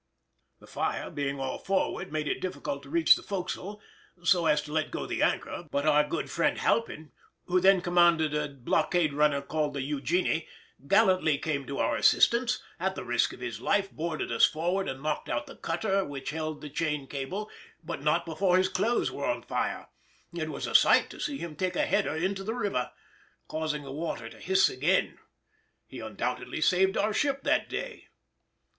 The fire, being all forward, made it difficult to reach the forecastle so as to let go the anchor; but our good friend Halpin (who then commanded a blockade runner called the Eugénie) gallantly came to our assistance, at the risk of his life boarded us forward, and knocked out the cutter which held the chain cable, but not before his clothes were on fire: it was a sight to see him take a header into the river, causing the water to hiss again. He undoubtedly saved our ship that day.